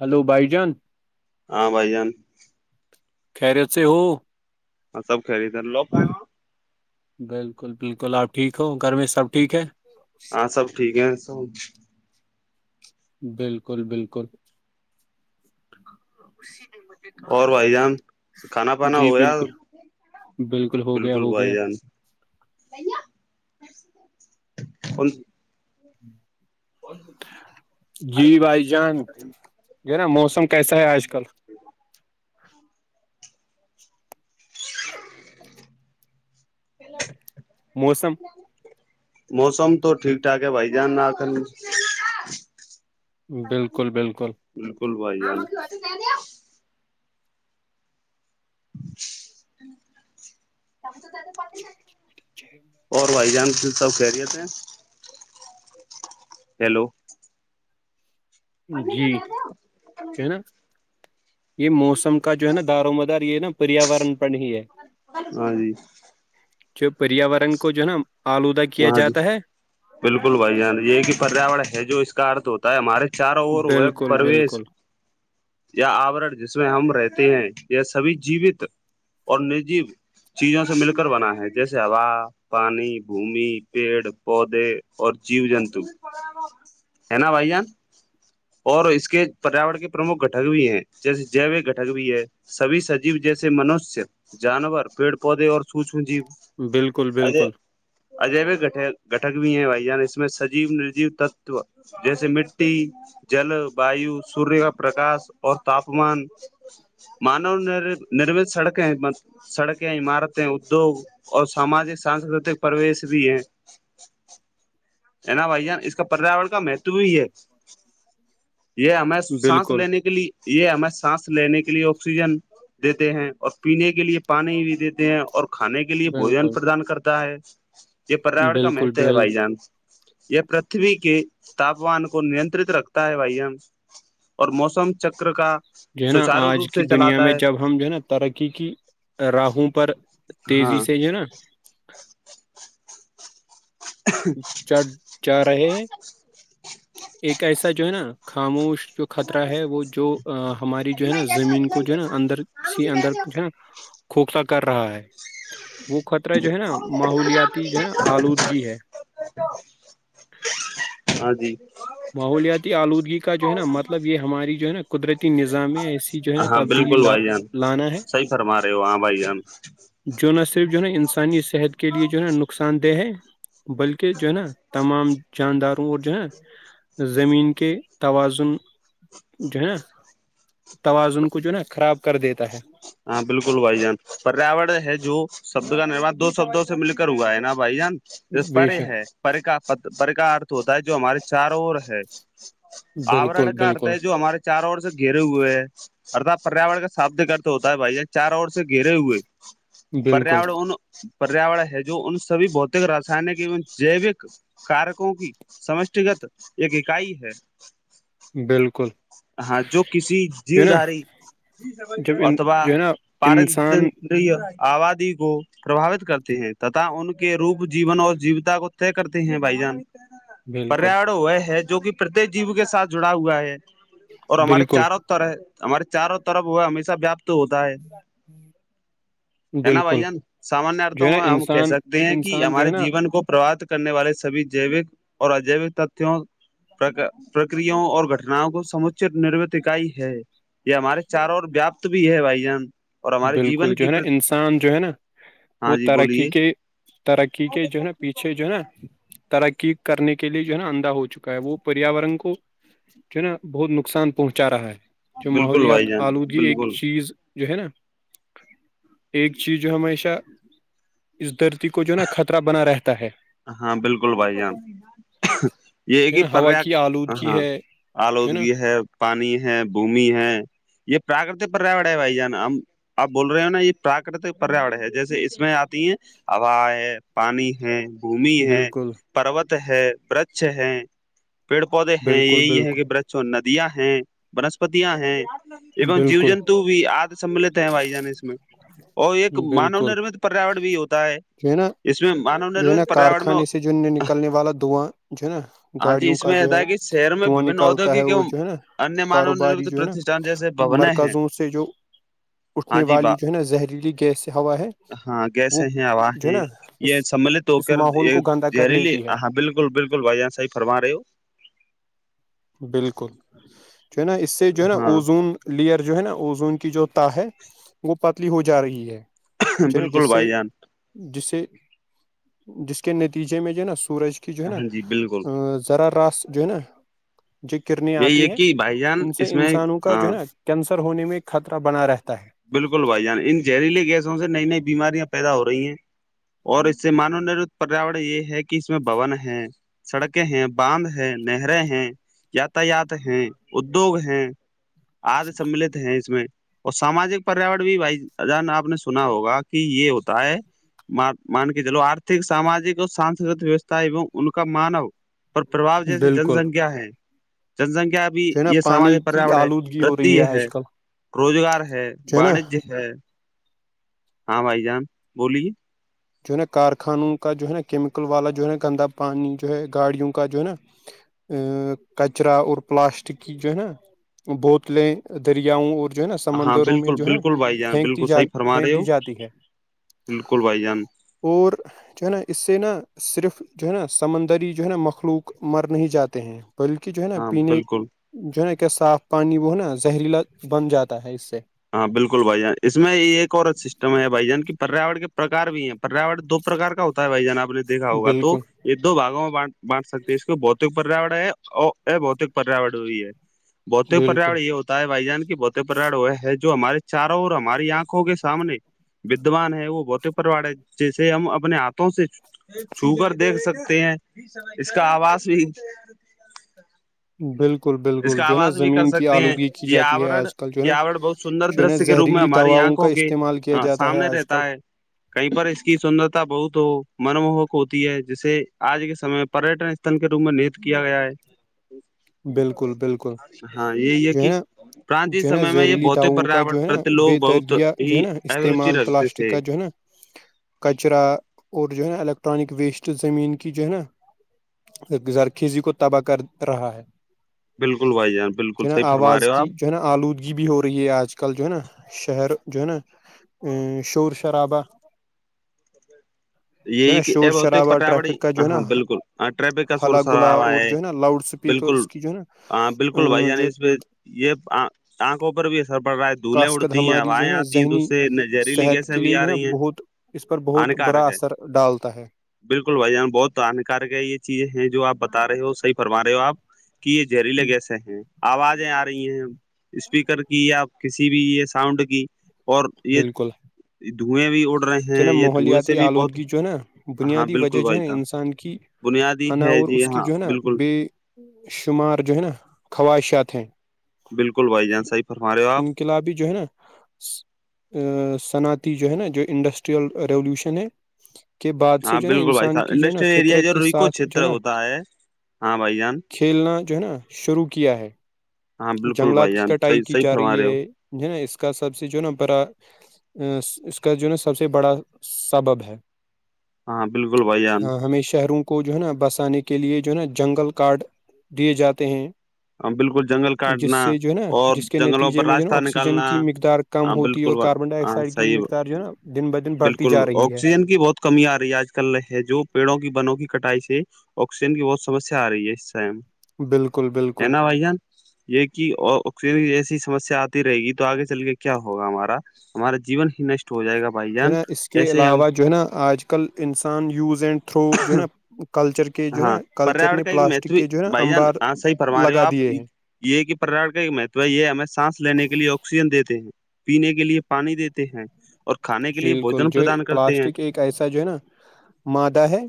hello بائی جان ہاں بھائی جان خیریت سے ہو ہاں سب خ رہی تھ لو بالکل بالکل آپ ٹھیک ہو گھر میں سب ٹھیک ہے ہاں سب ٹھیک ہے سب بالکل بالکل اور بھائی جان کھانا پانا ہو جی گیا بالکل ہو گیا بالکل ہو بھائی گیا جان اور ہوں جی بھائی جان نا موسم کیسا ہے آج کل پل موسم موسم تو ٹھیک ٹھاک ہے بھائی جان رکھ بالکل بالکل بالکل بھائی ب تو تو پ ٹھیک ہے اور بھائی جان پ سب کہرییت ہیں ہیلو جی کہ نا یہ موسم کا جو ہے نا دار مدار یہ نا پریاورن پ ہی ہے ہاں جی جو پریاورن کو جو نا آلودہ کیا ہاں جی جاتا ہے بالکل بھائی جان یہ کہ پریاورر ہے جو اس کا ارھ ہوتا ہے تو ہمے چار اور ہوئے بالکل پرویش بالکل یا آورن جس میں ہم رہتے ہیں یا سبھی جیوت اور نجی چیزوں سے مل کر بنا ہے جیسے ہوا پانی بھمی پیڑ پودے اور جیو جنتو ہے نا بھ جان اور اس کے پریاورن کے پرمکھ گٹک بھی ہیں جیسے جیو گٹک بھی ہے سبھی سجیو جیسے منشیہ جانور پیڑ پودے اور سوشم جیو بالکل بالکل اجیب گٹ گٹک بھی ہیں بھائی جان اس میں سجیو نجیو تتو جیسے مٹی جل وایو سوریہ کا پرکاش اور تاپمان مانو ن نرمت سڑکیں ہیں سڑکیں عمارتیں ادیوگ اور ساماجک سانسکرتک پرویش بھی ہے ہے نا بھائی جان اس کا پریاورن کا مہتو بھی ہے یہ ہمیں سانس بالکل لینے کے لیے یہ ہمیں سانس لینے کے لیے آکسیجن دیتے ہیں اور پینے کے لیے پانی بھی دیتے ہیں اور کھانے کے کے لیے بوجن بالکل پردان کرتا ہے یہ پریا کا بالکل مہتو ب ہے بھائی جان یہ پرتھوی کے تاپمان کو نیترت رکھتا ہے بھائی ہم ہم اور موسم چکر کا جو ہے نا سچارو آج روپ کی سے دنیا چلاتا میں ہے جب ہم جو ہے نا ترقی کی راہوں پر تیزی ہاں سے جو ہے نا چڑ جا رہے ہیں ایک ایسا جو ہے نا خاموش جو خطرہ ہے وہ جو ہماری جو ہے نا زمین کو جو ہے نا اندر سی اندر جو ہے نا کھوکھتا کر رہا ہے وہ خطرہ جو ہے نا ماحولیاتی جو ہے نا آلودگی ہے ہاں جی ماحولیاتی آلودگی کا جو ہے نا مطلب یہ ہماری جو ہے نا قدرتی نظام میں ایسی جو ہے نا ہاں تبدیلی بالکل ل بھائی جان لانا ہے صحیح فرما رہے ہو ہاں بھائی جان جو نہ صرف جو ہے نا انسانی صحت کے لیے جو ہے نا نقصان دہ ہے بلکہ جو ہے نا تمام جانداروں اور جو ہےا زمین کے توازن جو ہے نا توازن کو جو نا خراب کر دیتا ہے ہاں بالکل بھائی جان پریاور ہے جو شبد کا نرا دو شبدوں سے مل کر ہوا ہے نا بھائی جان جو بے پرے شک ہے پر کا پر کا ارتھ ہوتا ہے جو ہمارے چار ہے بالکل آوررن کا ارت بالکل ہے جو ہمارے چار اورور سے گھیرے ہوئے ہیں ارھاپ پریاور کا ساب د کرتے ہوتا ہے بھائی چار اور سے گھیرے ہوئے پریا بالکل ان پریاور ہے جو ان سبھی بھتک رسائنک ای جیوک کارکوں کی سمشٹیگت ایک اکائی ہے بالکل ہاں جو کسی جو جیو ہے نا داری جب ان اتبا جو ہے نا انسان پارتری آادی کوو پرباوت کرتے ہیں تتا ان کے روپ جیون اور جیوتا کو طے کرتے ہیں بھائی جان بالکل پریاور وہ ہے جو کہ پرتیک جیو کے ساتھ جڑا ہوا ہے اور ہمارے بالکل چاروں طرف ہے ہمارے چاروں طرف وہ ہے ہمیشہ ہوتا ہے ہ ہ ہے نا بھائی جان سامانیہ جو ہے ارتھوں نا میں ہم کہہ انسان سکتے ہیں کہ انسان جو ہمارے ہے نا جیون کو پربات کرنے والے سبھی جیوک اور اجیوک تتوں پرکر اور گٹناؤں کو سچ نروت اکائی ہے یہ ہمارے چار اور ویاپت بھی ہے بھائی جان اور ہمارے بالکل جیون جو ہے کی نا انسان جو ہے نا ہاں وہ جی ترقی بولیے کے ترقی کے جو ہے نا پیچھے اھے جو ہے نا ترقی کرنے کے لیے جو ہے نا اندھا ہو چکا ہے وہ پریاورن کو جو ہے نا بہت نقصان پہنچا رہا ہے جو بالکل بھائی ماحولیات جان آلودگی ایک بالکل چیز جو ہے نا ایک چیز جو ہمیشہ اس دھرتی کو جو ہے نا خطرہ بنا رہتا ہے ہاں بالکل بھائی جان یہ ایک جو ہی ہے نا پر ہوا کی آلودگی ہاں ہے جو نا آلودگی ہے پانی ہے بھمی ہے یہ پراکرت پر رہ رہا ہے بھائی جان ہم آپ بول رہے ہو نا یہ پراکرتک پریاور ہے جیسے اس میں آتی ہیں ہبا ہے پانی ہے بھومی ہے بالکل پروت ہے برچ ہے پیڑ پودے ہیں بالکل یہی ہے بالکل کہ برچ ندیاں ہیں بنسپتیاں ہیں ای جیو بالکل جنتو بھی آد سملت ہیں بھائی جان اس میں اور ایک مانو بالکل نرمت پریاور بھی ہوتا ہے جو نا اس میں مانو جو ہے نا نرمت کارخانے سے جو نکلنے والا دواں جو ہے نا ہاں جی گاڑیوں اس کا میں جو ہے کہ شہر میں دھواں وبن نکال ہوتا ہے ادیوگک وہ ایوم جو ہے نا انیہ مانو کاروباری نرت جو ہے نا پرتشٹھان جیسے بھونے ہیں مرکزوں سے جو ہاں اٹھنے جی والی با جو ہے نا زہریلی گیس ہوا ہے ہاں وہ گیسیں ہیں ہوا جو ہے ہیں نا اس یہ سملت ہو اس کر ماحول یہ کو گندا کر زہریلی لیتی ہے ہاں بالکل بالکل بائی صح فرما رہ ہو بالکل جو ہے نا اس سے جو ہے نا ہاں اوزون لیئر جو ہے نا اوزون کی جو تا ہے وہ پتلی ہو جا رہی ہے ج نا بالکل جس سے بھائی جان جسے جس کے نتیجے میں جو نا سورج جو ہے نا ہاں جی بالکل ا ذرا راس جو ہے نا جو کرنیں یہی آتی ہے ہیں کہ بھائی جان ان سے اس میں انسانوں کا جو ہے ہاں نا کینسر ہونے میں خطرہ بنا رہتا ہے بالکل بھائی جان ان زہریلی گیسوں سے نئی نئی بیماریاں پیدا ہو رہی ہیں اور اس سے مان نھ پریاور یہ ہے کہ اس میں بھون ہے سڑکیں ہیں باندھ ہے نہریں ہیں یاتایات ہیں ادوگ ہیں آد سب ملت ہیں اس میں اور ساماجک پریاور بھی بھائی جان آپ نے سنا ہوگا کہ یہ ہوتا ہے مان کے چلو آرتک ساماجک اور سانسکتک ویوستھا ای ان کا مانو اور پربو ہے جیسی جن بالکل سنکھیا ہے جن سنکھیا بھی جو ہے نا یہ پانی ساماجک کی پریاور ہے آلودگی ہو رہی ودھی ہے آج کل روزگار ہے جو نا وانجیہ ہے ہاں بھائی جان بولیے جو ہے نا کارخانوں کا جو ہے نا کیمیکل والا جو ہے نا گندا پانی جو ہے گاڑیوں کا جو ہے نا ا کچرا اور پلاسٹک کی جو ہے نا بوتلیں دریاؤں اور جو ہے نا ہاں سمندروں میں بالکل جو ہے نا بالکل بھائی جان پھینکتی بالکل ج صحیح فرما رہے پھینک ہو دی جاتی ہے بالکل بائی جان اور جو ہے نا اس سے نا صرف جو ہے نا سمندری جو ہے نا مخلوق مر نہیں جاتے ہیں بلکہ جو ہے نا ہاں پینے بالکل جو ہے نا کیا صاف پانی وہ ہے نا زہریلا بن جاتا ہے اس سے ہاں بالکل بھائی جان اس میں ایک اور سسٹم ہے بھائی جان کی پریاور کے پرکار بھی ہیں پریا دو پرکار کا ہوتا ہے بھائی جن آپ نے دیکھا ہوگا تو بالکل یہ دو باگوں میں بانٹ سکتے ہیں اس کی بہتک پریاور ہے اور بھتک پریاورن ہوئی ہے بہتے بالکل پراڑ یہ ہوتا ہے بھائی جان کی بہتے پراڑ وہ ہے جو ہمارے چاروں اور ہماری آنکھ ہو گے سامنے ودوان ہے وہ بہت پرواڑ ہے جیسے ہم اپنے ہاتھوں سے چوگر دیکھ سکتے ہیں اس کا آواز بھی بالکل اس بالکل کا جو ہے نا آواز بھی کر زمین کی سکتے ہیں آلودگی کی یہ جاتی ہے آ آج کل جو ہے یہ نا آور بہت سندر جو ہے نا دشیہ کے روپ میں زہریلی ہماری دواؤں کا آنکھوں کے استعمال کیا جاتا ہے سامنے آج کل رہتا ہے کہیں پر اس کی سندرتا بہت ہو من موہک ہوتی ہے جسے آج کے سم پریٹن ن کے روپ میں نیت کیا گیا ہے بالکل بالکل ہاں یہی جو ہے کہ نا پراچین جو ہے نا سمے میں یہ زہریلی بھتک دواؤوں کا پریاورن جو ہے نا پرتی بے لوگ بہت دردیا جو ہے ہی نا اروچی استعمال رکھتے پلاسٹک تھے کا جو ہے نا کچرا اور جو ہے نا الیکٹرانک ویسٹ زمین کی جو ہے نا زرخیزی کو تباہ کر رہا ہے بالکل بھائی جان بالکل جو ہے نا صحیح فرم رہے آواز ہو کی آپ جو ہے نا آلودگی بھی ہو رہی ہے آج کل جو ہے نا شہر جو ہے نا شور شرابہ ا جو ہے یہی نا کہ شور اب ہوتے شرابہ پٹا بڑی ٹریفک کا ہ جو ہے ہاں نا بالکل ہ ٹریفک کا ہلا سورس ہرا گلا ہوا اور ہے جو نا لاؤڈ بالکل اسپیکرس کی جو ہے نا ہاں بالکل بھائی ا جان جو اس یہ آنکھوں پر بھی اثر پڑ رہا ہے دھولیں کاسکد اڑتی ہیں ہماری جو ہے ہوائیں نا آتی ہیں تو ذہنی اس سے ن- زہریلی صحت گیسیں کے بھی لیے جو آ ہے نا رہی ہیں بہت اس پر بہت برا ہانیکارک ہے اثر ڈالتا ہے بالکل بھائی جان بہت ہانکار کے یہ چیزیں ہیں جو آپ بتا رہے ہو صحی فرما رہے ہو آپ کہ یہ زہریلے گیس ہیں آوازیں آ رہی ہیں اسپیکر کی یا کسی بھی یہ ساؤنڈ کی اور یہ دھوئیں بھی اڑ رہے ہیں چ نا یہ دھوئیں ماحولیاتی سے بھی بہت آلودگی جو ہے نا ہاں بنیادی بالکل وجہ جو بھائی ہے نا صاحب انسان کی بنیادی ہے اناور جی اس کی ہاں جو ہے نا بالکل بے شمار جو ہے نا خواہشات ہیں بالکل بھائی جان صحی فرم رہے ہو آپ کلابی جو ہے نا صنعتی جو ہے نا جو انڈسٹریل ریولوشن ہے کے بعد سے ہاں جو ہے نا بالکل بھائی انسان صاحب کی جو ہے نا انڈسٹریل ایریا فطرت جو کے ریکو ساتھ جو ہے چھیتر نا ہوتا ہاں بھائی جان کھیلنا جو ہے نا شروع کیا ہے ہاں بالکل بھائی جنگلات کی جان کٹائی صحیح کی صحیح جا فرما رہی رہے ہو ہے ج نا اس کا سب سے جو نا برا اس کا جو ہے نا سب سے بڑا سبب ہے ہاں بالکل بھائی جان ہمیں شہروں کے کو جو ہے نا بسانے کے لیے جو ہے نا جنگل کارڈ دیے جاتے ہیں ہاں بالکل جنگل جس کاٹنا سے جو ہے نا اور جس کے جنگلوں نتیجے پر میں جو ہے نا راستہ آکسیجن نکالنا کی مقدار کم ہاں ہوتی ہے اور بالکل بھائی- کاربن ڈائی ہاں آکسائڈ کی جو صحیح مقدار جو ہے نا دن بہ دن بڑھتی بالکل جا رہی ہے آکسیجن کی بہت کمی آ رہی ہے آج کل ہے جو پیڑوں کی بنوں کی کٹائی سے آکسیجن کی بہت سمیا آ رہی ہے اس ٹائم بالکل بالکل نا بھ جان یہ کہ آکسیجن کی جسی سسیا آتی رہے گی تو آگے چل کے کیا ہوگا ہمارا ہمارا جیون ہی نشٹ ہو جائے گا بھائی جو ہے جان نا اس کے ایسے ہم علاوہ جو ہے نا آج کل انسان یوز اینڈ تھرو جو ہے نا کلچر کے کے جو نا ہاں کلچر پریاور نے کا ایک مہتو پلاسٹک کے جو ہے نا بھائی جان امبار ہاں صحیح فرما رہے ہو لگا آپ دیے ہیں یہ کہ پرا کا مہتو ہے یہ ہمیں سانس لینے کے لیے آکسیجن دیتے ہیں پینے کے لیے پانی دیتے ہیں اور کھانے کے لیے بالکل بوجن جو پردان کرتے ہیں پلاسٹک ایک ایسا جو ہے نا مادہ ہے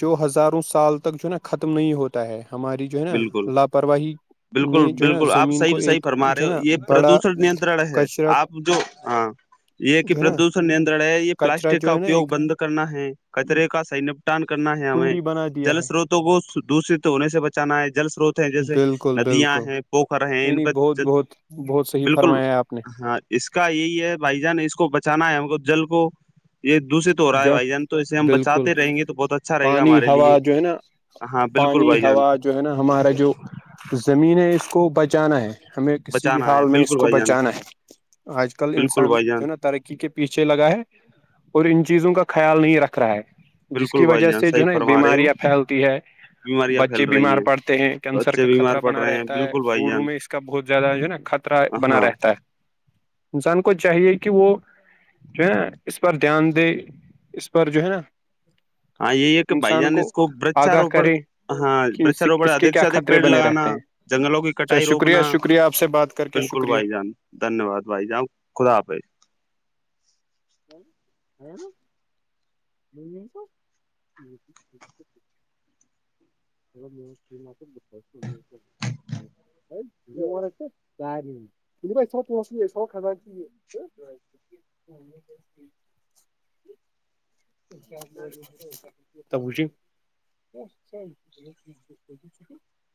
جو ہزاروں سال تک جو ہے نا ختم نہیں ہوتا ہے ہماری جو ہے نا بالکل لاپرواہی بالکل نے جو ہے نا بالکل آپ زمین صحی کو بھی صحی ایک فرما رہے جو ہے ہو نا یہ بڑا پردوشن نینترن ہے کچرا آپ پ جو ہاں یہ کہ جو ہے نا پردوشن نیترن ہے یہ کچرا پلاسٹک کا جو ہے نا اپیوگ ایک بند کرنا ہے کچرے کا س ٹان کرنا ہے ہمیں کنڈی بنا دیا جل ہے سروتوں کو دوشت ہونے سے بچانا ہے جل سروت ہیں جیسے بالکل ندیاں بالکل ہیں پوخر ہیں نہیں ان نہیں پ بہت بہت بہت صحیح بالکل فرمایا ہے آپ نے ہاں اس کا یہی ہے بھائی جان اس کو بچانا ہے ہم کو جل کو یہ دوسرے ہو رہا ہے جا بھائی جان تو اسے ہم بالکل بچاتے رہیں گے تو بہت اچھا رہے گا پانی ہمارے لیے ہوا جو ہے نا ہاں بالکل بھائی پانی جان ہوا جو ہے نا ہمارا جو زمین ہے اس کو بچانا ہے ہمیں کسی بھی بچانا ہے حال میں اس بالکل کو بھائی جان بچانا ہے آج کل بالکل انسان بھائی جان جو نا ترقی کے پیچھے لگا ہے اور ان چیزوں کا خیال نہیں رکھ رہا ہے جس بالکل کی بھائی وجہ جان سے جو صحیح نا فرما رہے ہو بیماریاں پھیلتی ہے بیماریاں پھیل بچے رہی بیمار پڑتے ہیں کینسر بچے کا بیمار خطرہ پڑ بنا رہے ہیں رہتا ہے بالکل بھائی بوڑو جان میں اس کا بہت زیادہ جو ہے ناطر بنا ہاں رہتا ہے انسان کو چاہیے کہ وہ جو ہےا اس پر دھیان دے اس پر جو ہے نا ہاں یہی ہے کہ بھائی جان اس کو آگاہ ورچاروپڑ کرے ہاں کہ ورچاروپڑ اس کے ادک کیا سے ادک خطرے پیڑ بنے لگانا رہتے ہیں جنگلوں کی اچھا کٹائی شکریہ روکنا شکریہ آپ سے بات کر کے بالکل شکریہ بھائی جان دھنیہ واد بھائی جانؤ خدا حافظ نا ا م ب تھو پوس تھو کھانچ ہ کیا بوجے [inaudible]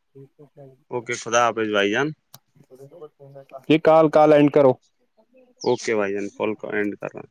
ٹھیک ہے سر اوکے خدا حافظ بھائی جان جی کال کال اینڈ کرو اوکے بھائی جین کال اڈ کر رہا